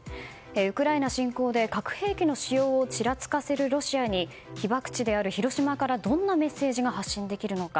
ウクライナ侵攻で核兵器の使用をちらつかせるロシアに被爆地である広島からどんなメッセージが発信できるのか。